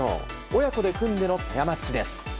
親子で組んでのペアマッチです。